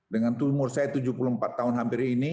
dengan umur saya tujuh puluh empat tahun hampir ini